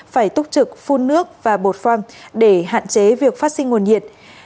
phải túc trực phun nước và bột phang để hạn chế việc phát sinh nguồn nhiệt